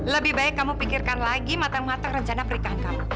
lebih baik kamu pikirkan lagi matang matang rencana pernikahan kamu